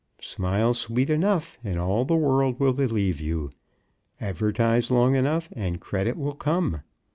Smile sweet enough, and all the world will believe you. Advertise long enough, and credit will come.